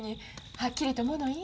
はっきりと物言い。